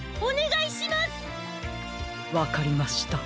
わかりました。